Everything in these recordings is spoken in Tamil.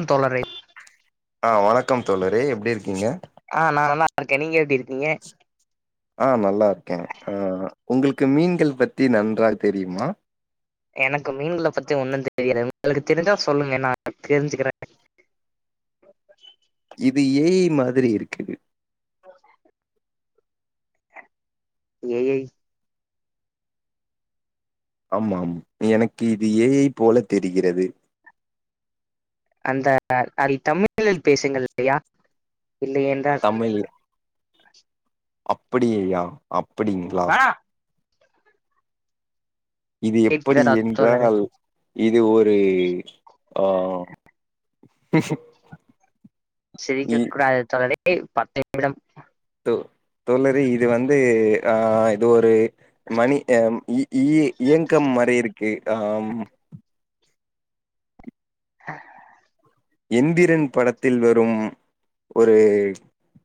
ம் தோழரே அ வணக்கம் தோழரே எப்டி இருக்கீங்க ஆ நா நல்லாருக்கே நீங்க எப்டி இருக்கீங்க ஆ நல்லார்க்கே ஆ உங்களுக்கு மீன்கள் பத்தி நன்றாக தெரியுமா எனக்கு மீன்கள பத்தி ஒன்னு தெரியாது உங்களுக்கு தெரிஞ்சா சொல்லுங்க நா தெரிஞ்சுக்கிறே இது ஏ ஐ மாதிரி இருக்குது ஏ ஐ ஆமாம் இ எனக்கு இது ஏ ஐ போலத் தெரிகிறது இந்த [inaudible] தமிழில் பேசுங்கள் ஐயா இல்லையென்றால் அப்படியையா அப் அப்டிங்ளா ஆ இது எப்படி கேட்கிறதா தோழரே என்றால் இது ஒரு ஆஹ் சிரிக்க கூடாது தோழரே ஏய் பத்து நிமிடம் தோ தோழரே இது வந்து ஆ இது ஒரு மணி அம் இ இ இயங்கம் மாரி இருக்கு ஆம் [inaudible] எந்திரன் படத்தில் வரும் ஒரு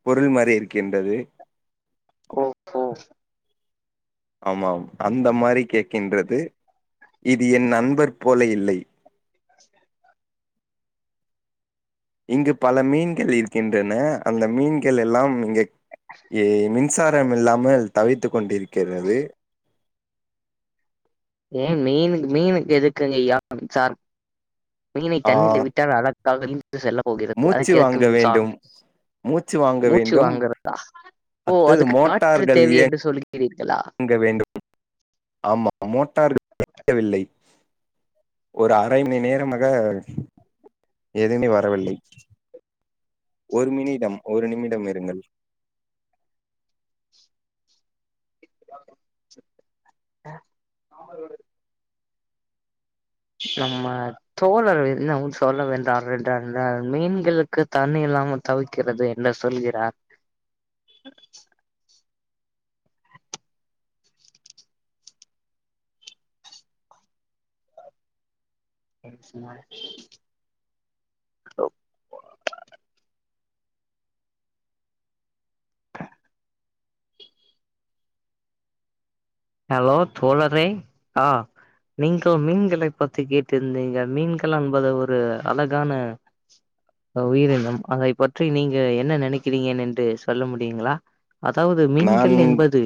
பொருள் மாரி இருக்கின்றது ரோபோ ஆமாம் அந்த மாரி கேட்கின்றது இது என் நண்பர் போல இல்லை [inaudible] இங்கு பல மீன்கள் இருக்கின்றன அந்த மீன்கள் எல்லாம் இங்க ஏ ஐ மின் சாரம் இல்லாமல் தவித்து கொண்டிருக்கிறது ஏன் மீனுக் மீனுக் எதுக்குங்க ஐயா மின்சாரம் மீனை ஆ தண்ணில விட்டால் அழகாக நீந்து செல்ல போகிறது மூச்சு அதுக்கு எதுக்கு வாங்க வேண்டும் மின்சாரம் மூச்சு வாங்க மூச்சு வேண்டும் வாங்கிறதா ஓ அதுக்கு காற்று தேவை என்று சொல்லி வாங்க வேண்டும் ஆமா மோட்டார்கள் [inaudible] வில்லை ஒரு அரை மணி நேரமாக எதுமே வரவில்லை ஒரு மினிடம் ஒரு நிமிடம் இருங்கள் [unintelligible] நம்ம தோழர் என்னவோ சொல்ல வென்றார் என்றால் [unintelligible] மீன்களுக்கு தண்ணி இல்லாம தவிக்கிறது என்று சொல்கிறார் [unintelligible] ஹலோ தோழரே நீங்கள் மீன்களை பத்தி கேட்டிருந்தீங்க மீன்கள் என்பது ஒரு அழகான உயிரினம் அதை பற்றி நீங்க என்ன நெனைக்கிறீங்க என்று சொல்ல முடியுங்களா அதாவது நான் மீன்கள் என்பது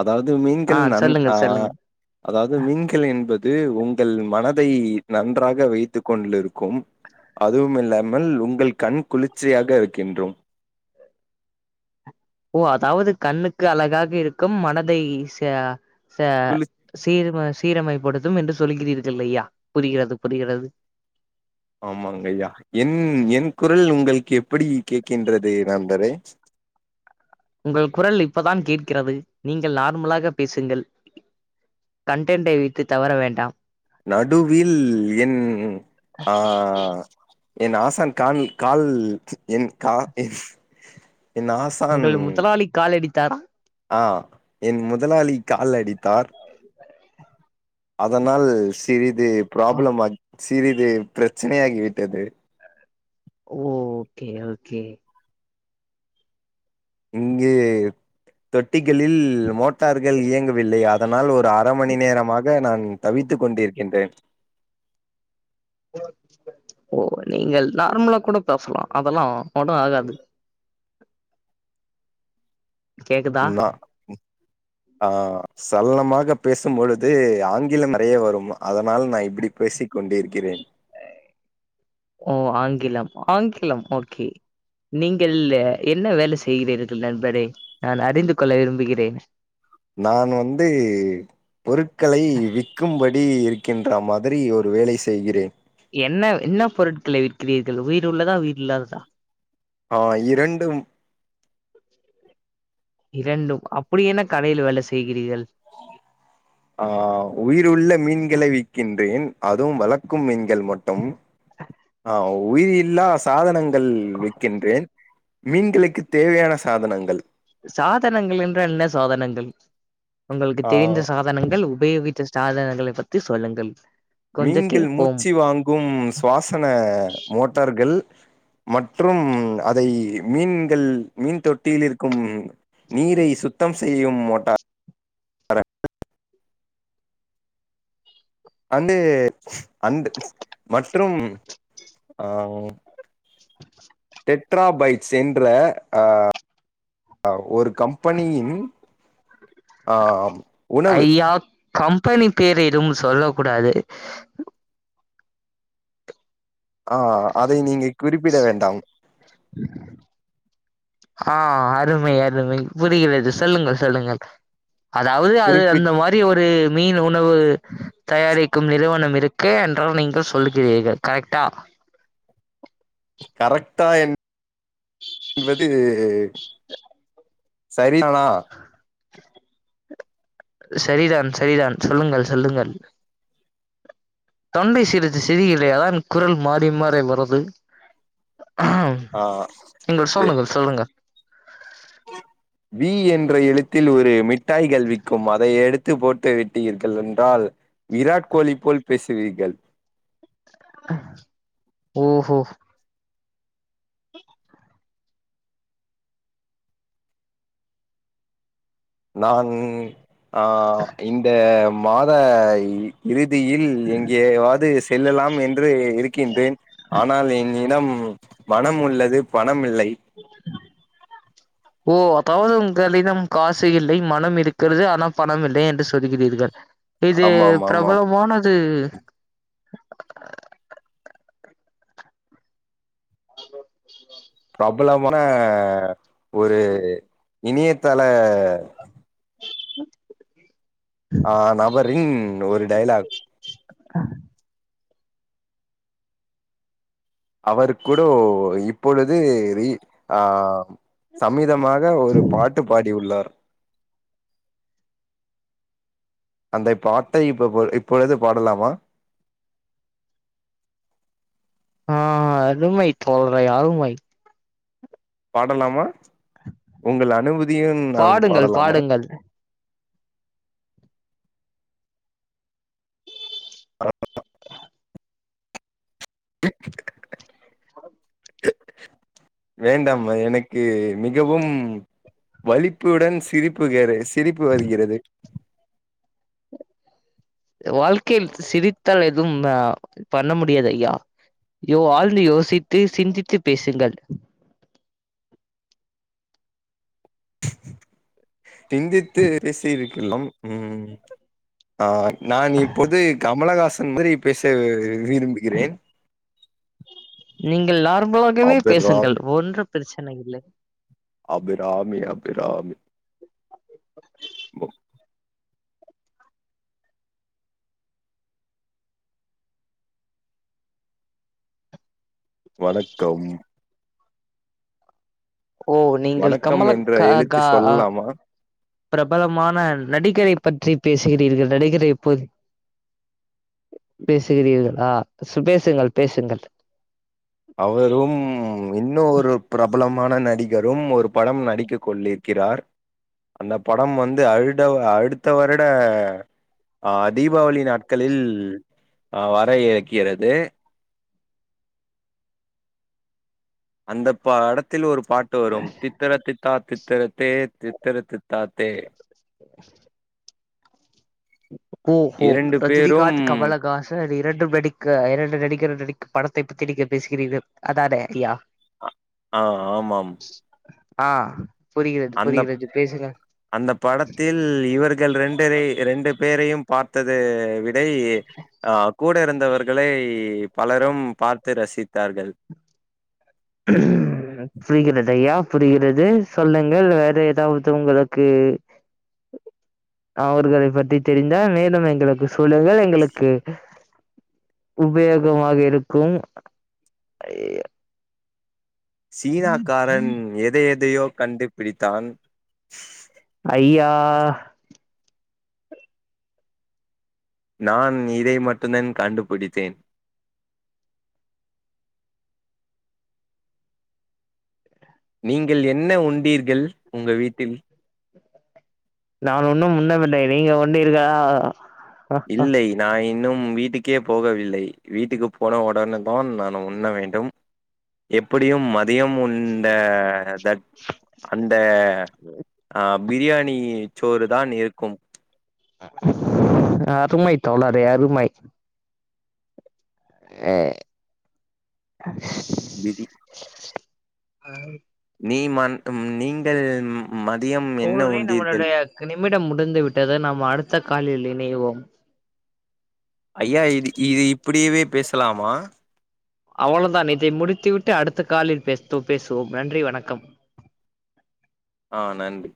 அதாவது ஆ மீன்கள் நன் சொல்லுங்க அ சொல்லுங்க அதாவது மீன்கள் என்பது உங்கள் மன தை நன்றாக வைத்துக் கொண்டிருக்கும் அதுவும் இல்லாமல் உங்கள் கண் குளிர்ச்சியாக இருக்கின்றோம் ஓ அதாவது கண்ணுக்கு அழகாக இருக்கும் மனதை ச ச குளிர் சீரும சீரமை படுத் [unintelligible] என்று சொல்கிறீர்கள் ஐயா புரிகிறது புரிகிறது ஆமாங்கையா என் என் குரல் உங்களுக்கு எப்படி கேட்கின்றது நண்பரே உங்கள் குரல் இப்பதான் கேட்கிறது நீங்கள் நார்மலாக பேசுங்கள் கன்டன்ட்டை வைத்து தவற வேண்டாம் நடுவில் என் ஆ என் ஆசான் கான் கால் என் கா என் ஆசான் உங்கள் முதலாளி கால் அடி தாரா ஆ என் முதலாளி கால் அடித்தார் அதனால் சிறி து ப்ராப்ளம் ஆகி சிறிது பிரச்சனையாகி விட்டது ஓகே ஓகே இங்கே தொட் தொட்டிகளில் மோட்டார்கள் இயங்கவில்லை அதனால் ஒரு அர மணி நேரமாக நான் தவித்து கொண்டிருக்கின்றேன் ஓ நீங்கள் நார்மலா கூட பேசலாம் அதெல்லாம் ஒன்னு ஆகாது கேக்குதா ந ஆ சரலமாக பேசும்பொழுது ஆங்கிலம் நெறைய வரும் அதனால் நா இப்படி பேசிக் கொண்டிருக்கிறேன் ஓ ஆங்கிலம் ஆங்கிலம் ஓகே நீங்கள் என்ன வேலை செய்கிறீர்கள் நண்பரே நான் அறிந்து கொள்ள விரும்புகிறேன் நான் வந்து பொருட்களை விக்கும்படி இரு இருக்கின்ற மாதிரி ஒரு வேலை செய்கிறேன் என்ன என்ன பொருட்களை விற்கிறீர்கள் உயிர் உள்ளதா உயிர் இல்லாததா ஆ இரண்டும் இரண்டும் அப்படி என்ன கடையில வேலை செய்கிறீர்கள் ஆ உயிருள்ள மீன்களை விக்கின்றேன் அதுவும் வளர்க்கும் மீன்கள் மட்டும் உயிர் இல்லா சாதனங் கள் விற்கின்றேன் மீன்களுக்குத் தேவையான சாதனங்கள் சாதனங்கள் என்றால் என்ன சாதனங்கள் உங்களுக்கு ஆ தெரிந்த சாதனங்கள் உபயோகித்த சாதனங்களை பத்தி சொல்லுங்கள் கொஞ்ச மீன்கள் கேட்போம் மூச்சு வாங்கும் சுவாசன மோட்டார்கள் மற்றும் அதை மீன்கள் மீன் தொட்டியில் இருக்கும் நீரை சுத்தம் செய்யும் மோட்டா [inaudible] அண்டு அண்டு மற்றும் ஆஹ் டெட்ராபைட்ஸ் என்ற ஒரு கம்பெனியின் ஆம் உணவு ஐயா கம்பெனி பேரை எதுவும் சொல்ல கூடாது ஆஹ் அதை நீங்கை குறிப்பிட வேண்டாம் ஆஹ் அருமை அருமை புரிகிறது சொல்லுங்கள் சொல்லுங்கள் அதாவது அது அந்த குறிப்பிட் மாரி ஒரு மீன்ல ஒன் உணவு தயாரிக்கும் நிறுவனம் இருக் கே என்றால் நீங்கள் சொல்லுகிறீர்கள் கரெக்டா கரெக்டா என் என்பது சரிதானா சரிதான் சரிதான் சொல்லுங்கள் சொல்லுங்கள் தொண்டை சிறிது செரியில்லையான் குரல் மாறி மாறி வருது ஆ நீங்கள் எ சொல்லுங்கள் சொல்லுங்க [inaudible] வி என்ற எழுத்தில் ஒரு மிட்டாய்கள் விக்கும் அதை எடுத்து போட்டு விட்டீர்கள் என்றால் விராட் கோலி போல் பேசுவீர்கள் ஓஹோ நான் ஆஹ் இந்த மாத இறி தியில் எங்கேவாது செல்லலாம் என் ன்று இருக்கின்றேன் ஆனால் என் இடம் மனம் உள்ளது ப ணம் இல்லை ஓ அதாவது உங்களிடம் காசு இல்லை மனம் இருக்கிறது ஆனா பணம் இல்லை என்று சொல்கிறீர்கள் இது ஆமாம் ஆமாம் பிரபலமான து [inaudible] பிரபலமான ஒரு இணியத்தள [inaudible] ஆஹ் நபரின் ஒரு டைலாக் அவருக் குடு இப்பொழுது ரீ ஆஹ் சமீதமாக ஒரு பாட்டு பாடியுள்ளார் அந்தை பாட்டை இப்ப பொ இப்பொழுது பாடலாமா ஆஹ் அருமை தோழரே அருமை பாடலாமா உங்கள் அனும பாடுங்கள் பாடுங்கள் [inaudible] [inaudible] [inaudible] வேண்டாம் எனக்கு மிகவும் வலிப்புடன் சிரிப்புகேரேசி திரிப்பு வருகிறது வாழ்க்கையில் சிரித்தால் எதுவும் ஆ பண்ண முடியாது ஐயா யோ ஆழ்ந்து யோசித்து சிந்தித்து பேசுங்கள் திந்தித்து பேசீரு இல்லம் உம் ஆஹ் நான் இப்பொது கமலகாச சன் மாரி பேச விரும்புகிறேன் நீங்கள் ல்லாரூம் வகமே பேசுங்கள் அபிராமி ஒன்று பெர்ச்சன்னையில்லை அபிராமி அபிராமி [unintelligible] வணக்கம் ஓ நீங்கள் வணக்கம் கமல என்ற க எழுத்து கா சொல்லலாமா பிரபலமான நடிகரை பற்றி பேசுகிறீர்கள் நடக்கிற எப்போது பேசுகிறீர்கள் ஆஹ் சு பேசுங்கள் பேசுங்கள் அவரும் இன்னு ஒரு பிரபலமான நடி கரும் ஒரு படம் நடிக்க கொண்டிருக்கிறார் அந்த படம் வந்து அழுடவ அடுத்த வருட ஆஹ் தீபாவளி நாட்களில் அஹ் வர இறக்கிறது அந்த பட தில் ஒரு பாட்டு வரு தித்திர தித்தா தித் தெர தே தித்தர தித்தாத் தே ஹு ஹு இரண்டு பேரும் ரஜினிகாத் கமலகாச ரே இரண்டும் நடிக்க இரண்டு நடிக்கிற நடிக்க படத்தை பத்தி நீங்க பேசுகிறீங்க அதானே ஐயா ஆ ஆமம் அ அந்தப் அந்த படத்தில் இவர்கள் ரெண்டரே ரெண்டு பேரையும் பார்த்தது விடை ஆ கூட் இருந்தவர்களை பலரும் பார்த்து ரசித் தார்கள் புரிகிறதையா புரிகிறது சொல்லுங்கள் வேற ஏதாவது உங்களுக்கு அவர்களை பற்றி தெரிந்தால் மேலும் எங்களுக்கு சொல்லுங்கள் எங்களுக்கு உபயோகமாக இருக்கும் ஐயயோ சீனாக்காரன் எதை எ தையோ கண்டுபிடித்தான் ஐயா நான் இதை மட்டுந்தான் கண்டுபிடித்தேன் நீங்கள் என்ன உண்டீர்கள் உங்க வீட்டில் நான் ஒன்னும் உண்ணவில்லை நீங்க உண்டீர்களா? இல்லை நா இன்னும் வீட்டுக்கே போகவில்லை வீட்டுக்கு போன உடன தான் நான் உண்ண வேண்டும் எப்படியும் மதியம் உண்ட த அந்த ஆ பிரியாணி சோறு தான் இருக்கும் அருமை தோழரே அருமை ஏ விதி அதாவுது நீ மட்டும் நீங்கள் மதியம் என்ன உண்டீர்கள் டம் முடிந்து விட்டது நாம் அடுத்த காலில் இணைவோம் ஐயா இதுக் இது இப்படியவே பேசலாமா? ட்டு அடுத்த காலில் பேசுது பேசுவோம் நன்றி வணக்கம் ஆஹ் நன்றி